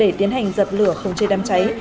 để tiến hành dập lửa không chê đám cháy